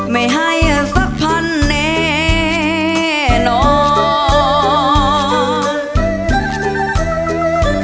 ไม่ให้สักพันแน่นอน